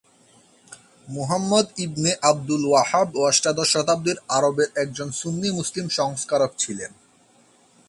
Muhammad ibn Abdul Wahhab অষ্টাদশ শতাব্দীর আরবের একজন সুন্নি মুসলিম সংস্কারক ছিলেন।